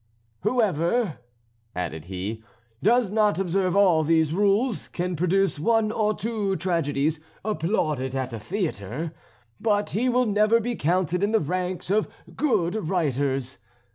"Whoever," added he, "does not observe all these rules can produce one or two tragedies, applauded at a theatre, but he will never be counted in the ranks of good writers.